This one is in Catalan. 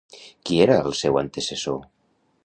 Qui era el seu antecessor?